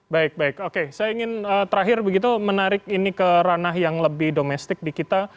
baik baik oke saya ingin terakhir begitu menarik ini ke ranah yang lebih domestik di kita